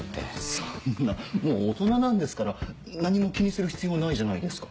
そんなもう大人なんですから何も気にする必要ないじゃないですか。